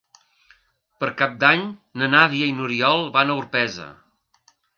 Per Cap d'Any na Nàdia i n'Oriol van a Orpesa.